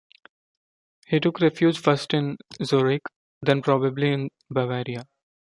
He took refuge first in Zurich then probably in Bavaria.